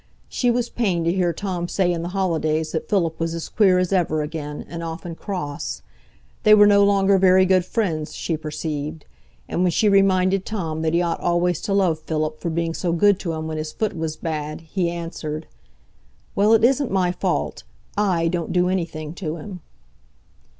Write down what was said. She was pained to hear Tom say in the holidays that Philip was as queer as ever again, and often cross. They were no longer very good friends, she perceived; and when she reminded Tom that he ought always to love Philip for being so good to him when his foot was bad, he answered: "Well, it isn't my fault; I don't do anything to him."